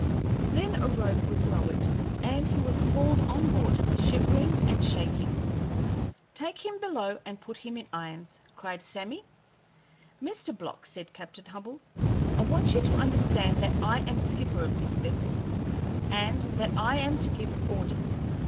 Then a rope was lowered, and he was hauled on board, shivering and shaking. "Take him below and put him in irons," cried Sammy. "Mr. Block," said Captain Hubbell, "I want you to understand that I am skipper of this vessel, and that I am to give orders.